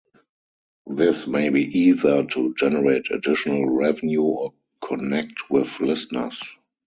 This may be either to generate additional revenue or connect with listeners.